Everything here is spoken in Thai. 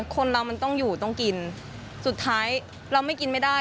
คนเรามันต้องอยู่ต้องกินสุดท้ายเราไม่กินไม่ได้